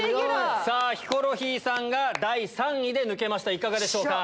ヒコロヒーさんが第３位で抜けましたいかがでしょうか？